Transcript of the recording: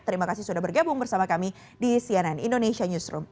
terima kasih sudah bergabung bersama kami di cnn indonesia newsroom